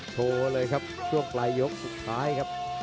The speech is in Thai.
โชว์เลยครับช่วงปลายยกสุดท้ายครับ